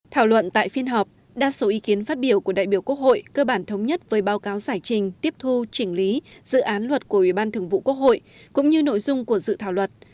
thảo luận tại phiên họp đa số ý kiến phát biểu của đại biểu quốc hội cơ bản thống nhất với báo cáo giải trình tiếp thu chỉnh lý dự án luật của ubthqh cũng như nội dung của dự thảo luật